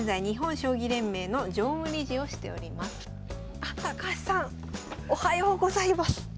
あ高橋さんおはようございます！